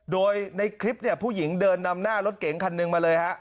โดยในคลิปเนี่ยผู้หญิงเดินนำหน้ารถเก๋งคันหนึ่งมาเลยฮะ